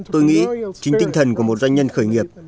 tôi nghĩ chính tinh thần của một doanh nhân khởi nghiệp